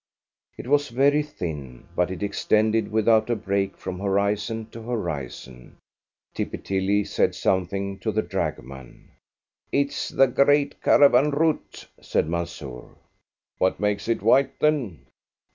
It was very thin, but it extended without a break from horizon to horizon. Tippy Tilly said something to the dragoman. "It's the great caravan route," said Mansoor. "What makes it white, then?"